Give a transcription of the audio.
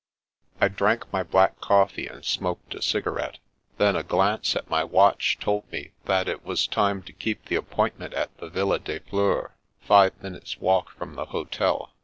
I DRANK my black coffee and smoked a cigarette. Then, a glance at my watch told me that it was time to keep the appointment at the Villa des Fleurs, five minutes' walk from the hotel.